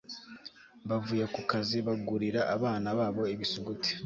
bavuye ku kazi bagurira abana babo ibisuguti